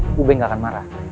aku tidak akan marah